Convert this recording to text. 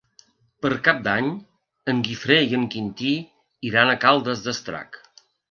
Per Cap d'Any en Guifré i en Quintí iran a Caldes d'Estrac.